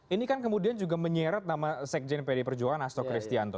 ini kan kemudian juga menyeret nama sekjen pd perjuangan hasto kristianto